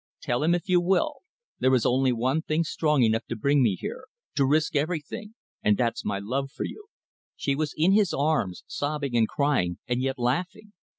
Tell him, if you will. There is only one thing strong enough to bring me here, to risk everything, and that's my love for you." She was in his arms, sobbing and crying, and yet laughing.